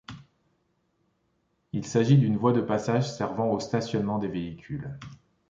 Il s'agit d'une voie de passage servant au stationnement des véhicules.